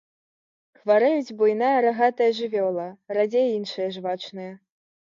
Хварэюць буйная рагатая жывёла, радзей іншыя жвачныя.